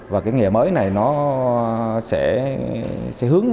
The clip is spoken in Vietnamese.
và cái nghề mới này nó sẽ hướng